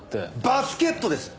バスケットです！